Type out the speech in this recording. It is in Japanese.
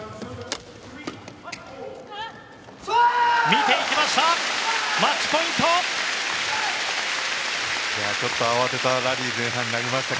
見ていきました！